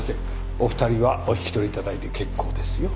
お二人はお引き取りいただいて結構ですよ。